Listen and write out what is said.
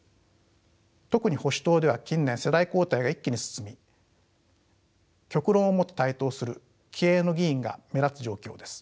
特に保守党では近年世代交代が一気に進み極論をもって台頭する気鋭の議員が目立つ状況です。